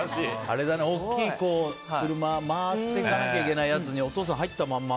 大きい車回っていかなきゃいけないやつにお父さん入ったまま。